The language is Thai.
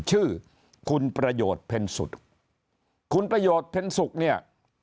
ชื่อคุณประโยชน์เพ็ญสุดคุณประโยชน์เพ็ญสุขเนี่ย